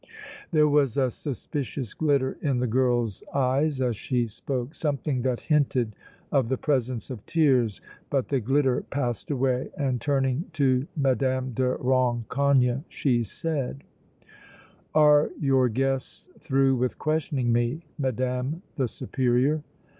There was a suspicious glitter in the girl's eyes as she spoke, something that hinted of the presence of tears, but the glitter passed away and, turning to Mme. de Rancogne, she said: "Are your guests through with questioning me, Madame the Superior?"